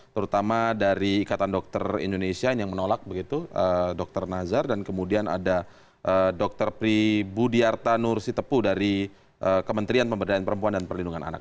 terutama dari ikatan dokter indonesia yang menolak begitu dokter nazar dan kemudian ada dr pribudiarta nursitepu dari kementerian pemberdayaan perempuan dan perlindungan anak